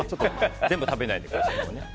全部食べないでくださいね。